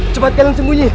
cepat kalian sembunyi